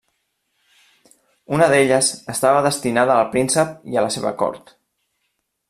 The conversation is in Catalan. Una d'elles estava destinada al príncep i la seva cort.